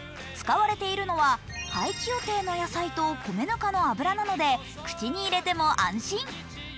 使われているのは廃棄予定の野菜と米ぬかの油なので口に入れても安心。